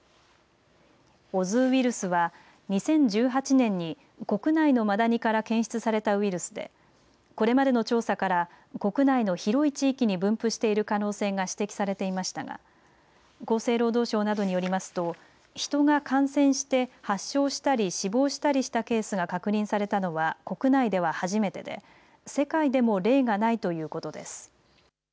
オズウイルスは２０１８年に国内のマダニから検出されたウイルスでこれまでの調査から国内の広い地域に分布している可能性が指摘されていましたが厚生労働省などによりますと人が感染して発症したり死亡したりしたケースが確認されたのは国内では初めてで世界でも例がないということです。